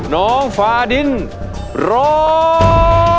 น้องฟาดินร้อง